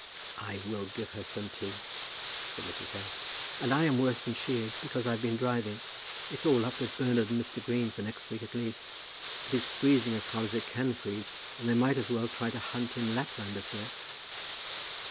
"I will give her some tea," said Mrs. Dale. "And I am worse than she is, because I've been driving. It's all up with Bernard and Mr. Green for the next week at least. It is freezing as hard as it can freeze, and they might as well try to hunt in Lapland as here."